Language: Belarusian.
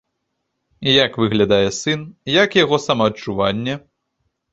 Як выглядае сын, як яго самаадчуванне?